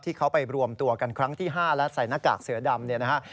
ที่เขาไปรวมตัวกันครั้งที่๕และใส่หน้ากากเสือดำเนี่ยนะฮะ